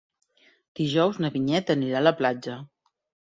Dijous na Vinyet anirà a la platja.